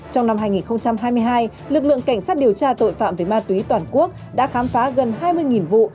trong năm hai nghìn hai mươi hai lực lượng cảnh sát điều tra tội phạm về ma túy toàn quốc đã khám phá gần hai mươi vụ